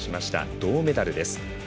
銅メダルです。